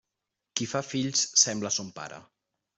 Qui fa fills sembla a son pare.